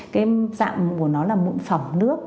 cái dạng của nó là mụn phỏng nước